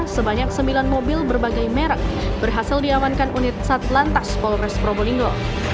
sebanyak sembilan mobil berbagai merek berhasil diamankan unit satlantas polres probolinggo